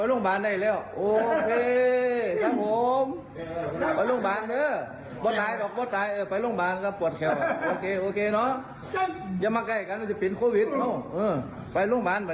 ยังมาใกล้กันจะปิดโควิดเนาะไปโรงพยาบาลไปเนี่ย